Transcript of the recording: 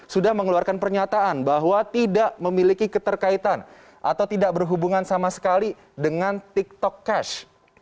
sudah mengeluarkan pernyataan bahwa tidak memiliki keterkaitan atau tidak berhubungan sama sekali dengan tiktok cash